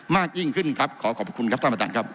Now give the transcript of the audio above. มากยิ่งขึ้นครับขอขอบคุณครับท่านประธานครับ